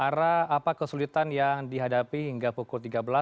ara apa kesulitan yang dihadapi hingga pukul tiga belas